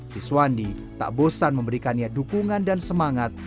siswandi tak bosan memberikannya dukungan dan semangat